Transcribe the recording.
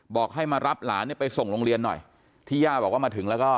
บอกให้มารับหลานเนี่ยไปส่งโรงเรียนหน่อยที่ย่าบอกว่ามาถึงแล้วก็